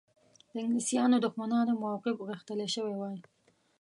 د انګلیسیانو دښمنانو موقف غښتلی شوی وای.